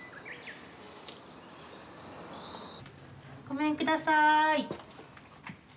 ごめんください。